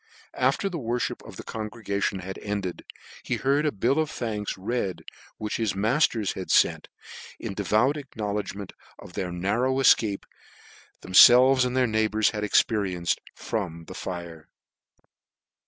After the worfhip of the congregation was ended, he heard a bill of thanks read, which his matters had fcnt, in devout acknowledgement of the nar row efcape that themfelves and their neighbours had experienced from the fire.